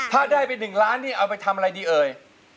ถ้าได้ไป๑ล้านนี่เอาไปทำอะไรดีเอ่ย